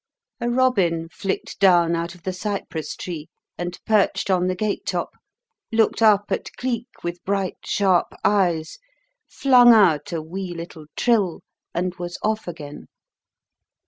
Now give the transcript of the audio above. A robin flicked down out of the cypress tree and perched on the gate top, looked up at Cleek with bright, sharp eyes, flung out a wee little trill, and was off again.